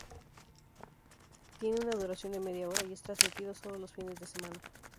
Tiene una duración de media hora y es transmitido sólo los fines de semana.